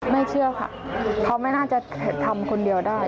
ไม่เชื่อค่ะเขาไม่น่าจะทำคนเดียวได้